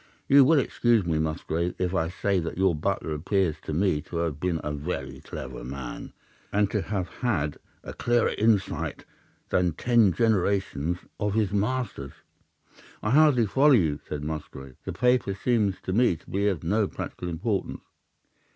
You will excuse me, Musgrave, if I say that your butler appears to me to have been a very clever man, and to have had a clearer insight than ten generations of his masters.' "'I hardly follow you,' said Musgrave. 'The paper seems to me to be of no practical importance.